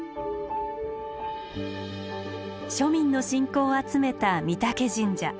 庶民の信仰を集めた御嶽神社。